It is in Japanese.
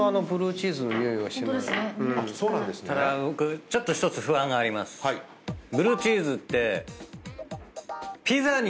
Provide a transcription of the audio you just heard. ブルーチーズって。